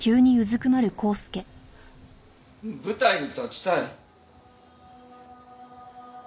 舞台に立ちたい。